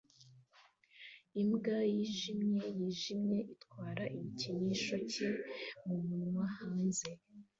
Imbwa yijimye yijimye itwara igikinisho cye mumunwa hanze